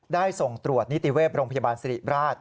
ได้ส่งตรวจนิติเวศโรงพยาบาลสิริราช